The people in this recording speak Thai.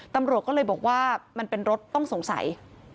ตำรวจก็เลยบอกว่ามันเป็นรถต้องสงสัย